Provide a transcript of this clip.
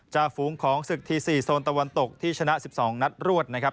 ฝูงของศึกที๔โซนตะวันตกที่ชนะ๑๒นัดรวดนะครับ